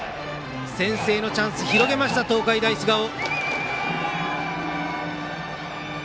先制のチャンスを広げました東海大菅生。